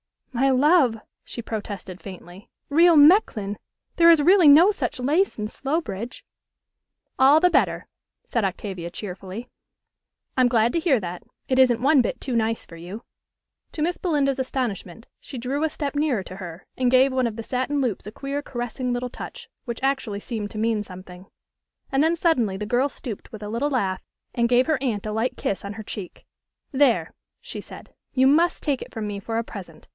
"My love," she protested faintly, "real Mechlin! There is really no such lace in Slowbridge." "All the better," said Octavia cheerfully. "I'm glad to hear that. It isn't one bit too nice for you." To Miss Belinda's astonishment, she drew a step nearer to her, and gave one of the satin loops a queer, caressing little touch, which actually seemed to mean something. And then suddenly the girl stooped, with a little laugh, and gave her aunt a light kiss on her cheek. "There!" she said. "You must take it from me for a present.